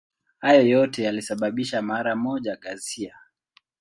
Hayo yote yalisababisha mara moja ghasia.